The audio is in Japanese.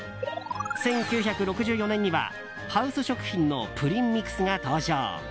１９６４年にはハウス食品のプリンミクスが登場。